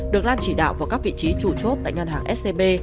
được lan chỉ đạo vào các vị trí chủ chốt tại ngân hàng scb